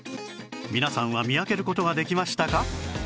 皆さんは見分ける事ができましたか？